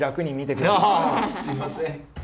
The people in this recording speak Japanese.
あすいません。